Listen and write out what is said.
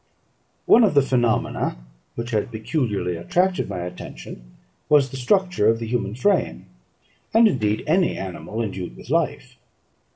One of the phenomena which had peculiarly attracted my attention was the structure of the human frame, and, indeed, any animal endued with life.